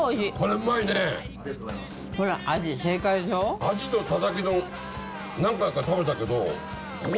鯵のたたき丼何回か食べたけど。